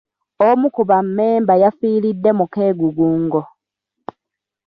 Omu ku bammemba yafiiridde mu keegugungo.